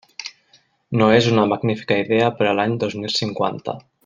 No és una magnífica idea per a l'any dos mil cinquanta.